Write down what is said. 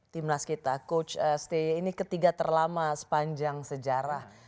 timnas kita coach stay ini ketiga terlama sepanjang sejarah